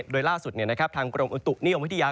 โดยล่าสุดทางกรมอุตุนิยมวิทยา